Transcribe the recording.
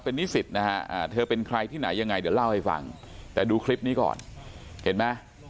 เป็นนิสิตนะฮะเธอเป็นใครที่ไหนยังไงเดี๋ยวเล่าให้ฟังแต่ดูคลิปนี้ก่อนเห็นไหม